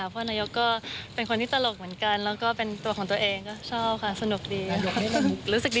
เพราะนายกก็เป็นคนที่ตลกเหมือนกัน